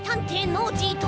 ノージーと。